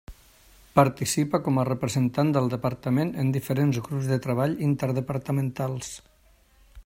Participa com a representant del Departament en diferents grups de treball interdepartamentals.